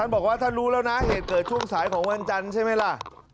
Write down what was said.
บอกว่าท่านรู้แล้วนะเหตุเกิดช่วงสายของวันจันทร์ใช่ไหมล่ะ